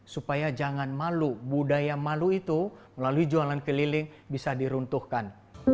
supaya jangan malu budaya malu itu melalui jualan keliling bisa diruntuhkan